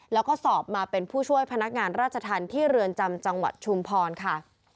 แล้วก็สอบมาเป็นผู้ช่วยพนักงานราชธรรมที่เรือนจำจังหวัดชุมพรค่ะ